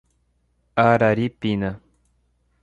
Araripina